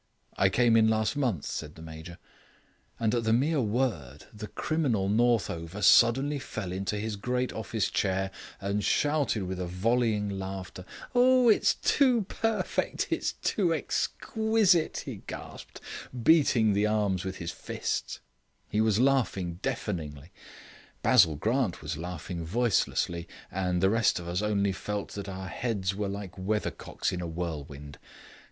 "I came in last month," said the Major. And at the mere word the criminal Northover suddenly fell into his great office chair and shouted with a volleying laughter. "Oh! it's too perfect it's too exquisite," he gasped, beating the arms with his fists. He was laughing deafeningly; Basil Grant was laughing voicelessly; and the rest of us only felt that our heads were like weathercocks in a whirlwind.